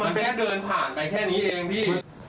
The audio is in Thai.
มันแค่เดินผ่านไปแค่นี้เองพี่